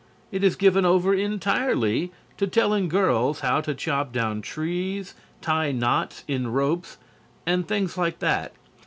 It is given over entirely to telling girls how to chop down trees, tie knots in ropes, and things like that.